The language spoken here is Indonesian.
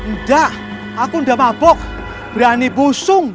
nggak aku udah mabuk berani busung